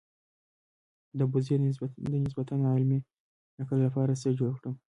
د ابوزید د نسبتاً علمي نقد لپاره څه جوړ کړم.